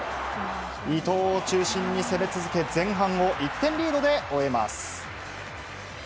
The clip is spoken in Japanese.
伊東を中心に攻め続け前半を１点リードで終えます。